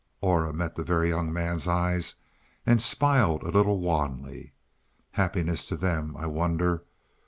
Aura met the Very Young Man's eyes and smiled a little wanly. "Happiness to them! I wonder.